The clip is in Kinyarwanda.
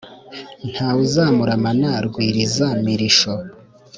nta we uzamuramana rwiriza mirisho.